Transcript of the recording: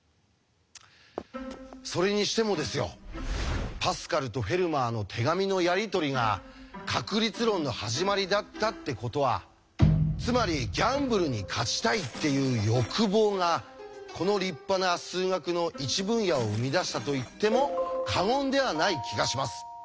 それにしてもですよパスカルとフェルマーの手紙のやり取りが確率論の始まりだったってことはつまりギャンブルに勝ちたいっていう欲望がこの立派な数学の一分野を生み出したと言っても過言ではない気がします。